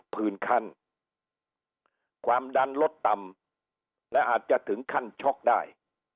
ผื่นขั้นความดันลดต่ำและอาจจะถึงขั้นช็อกได้